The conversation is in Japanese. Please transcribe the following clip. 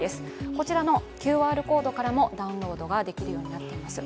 こちらのＱＲコードからもダウンロードができるようになっています。